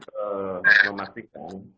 ya tentunya juga kan harus memastikan